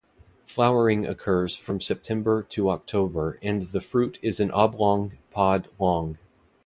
Flowering occurs from September to October and the fruit is an oblong pod long.